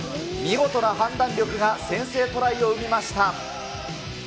見事な判断力が先制トライを生みました。